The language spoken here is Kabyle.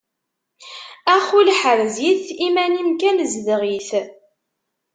Ax ul ḥrez-it iman-im kan zdeɣ-it.